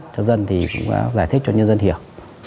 cho dân thì cũng giải thích cho nhân dân hiểu